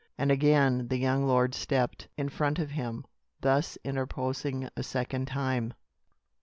And again the young lord stepped in front of him, thus interposing a second time.